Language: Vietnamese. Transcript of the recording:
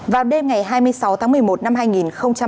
vào đêm ngày hai mươi sáu tháng một mươi một năm hai nghìn